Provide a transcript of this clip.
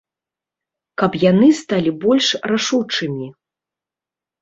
Каб яны сталі больш рашучымі.